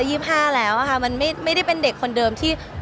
แต่มีจะมีอะไรฝากให้ถูกคนที่มองเราแบบนี้ไหม